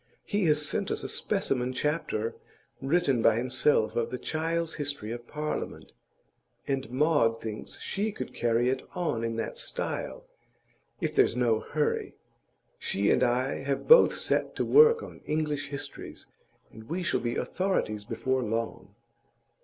He has sent us a specimen chapter, written by himself of the "Child's History of Parliament," and Maud thinks she could carry it on in that style, if there's no hurry. She and I have both set to work on English histories, and we shall be authorities before long.